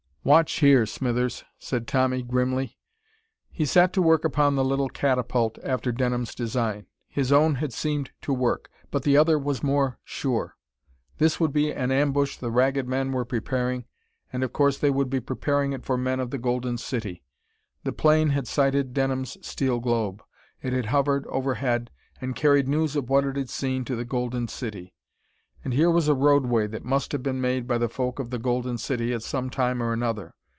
"Watch here, Smithers," said Tommy grimly. He sat to work upon the little catapult after Denham's design. His own had seemed to work, but the other was more sure. This would be an ambush the Ragged Men were preparing, and of course they would be preparing it for men of the Golden City. The plane had sighted Denham's steel globe. It had hovered overhead, and carried news of what it had seen to the Golden City. And here was a roadway that must have been made by the folk of the Golden City at some time or another.